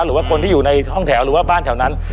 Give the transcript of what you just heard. หรือว่าคนที่อยู่ในห้องแถวหรือว่าบ้านแถวนั้น